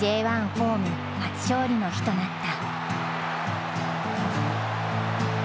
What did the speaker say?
ホーム初勝利の日となった。